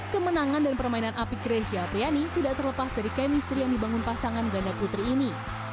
kemenangan dan permainan api grecia apriani tidak terlepas dari kemistri yang dibangun pasangan ganda putri ini